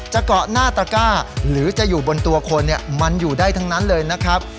เกาะหน้าตระก้าหรือจะอยู่บนตัวคนมันอยู่ได้ทั้งนั้นเลยนะครับ